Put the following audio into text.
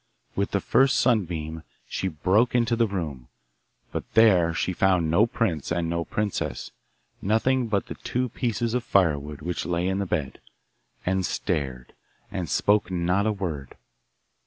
With the first sunbeam she broke into the room, but there she found no prince and no princess nothing but the two pieces of firewood, which lay in the bed, and stared, and spoke not a word.